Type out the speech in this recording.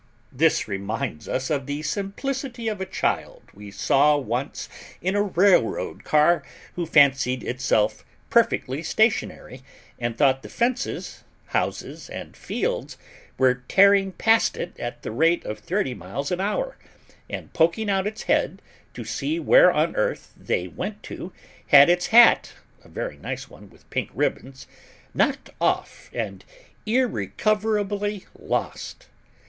This reminds us of the simplicity of a child we once saw in a railroad car, who fancied itself perfectly stationary, and thought the fences, houses and fields were tearing past it at the rate of thirty miles an hour; and poking out its head, to see where on earth they went to, had its hat a very nice one with pink ribbons knocked off and irrecoverably lost.